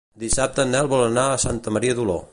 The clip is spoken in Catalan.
Dissabte en Nel vol anar a Santa Maria d'Oló.